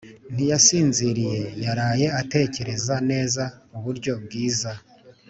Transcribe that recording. ntiyasinziye yaraye atekereza neza uburyo bwiza